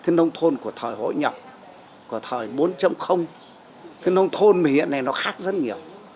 nông thôn của thời hội nhập của thời bốn cái nông thôn hiện nay nó khác rất nhiều